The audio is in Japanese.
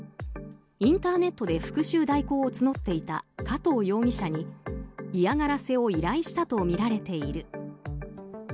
インターネットで復讐代行を募っていた加藤容疑者に嫌がらせを依頼したとみられている。